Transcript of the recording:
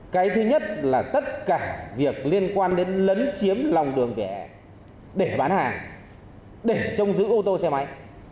cái thứ nhất là tất cả việc liên quan đến lấn chiếm lòng đường vỉa hè để bán hàng để trông giữ ô tô xe máy